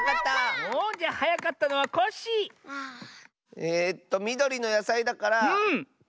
えっとみどりのやさいだからゴーヤ！